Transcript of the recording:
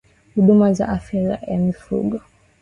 Huduma za Afya ya Mifugo